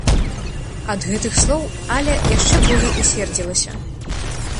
Ад гэтых слоў Аля яшчэ болей усердзілася.